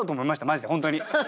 マジで本当に。